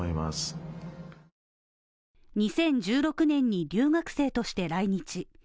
２０１６年に留学生として来日。